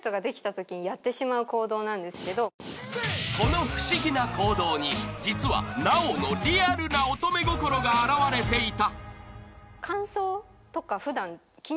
［この不思議な行動に実は奈緒のリアルな乙女心が表れていた］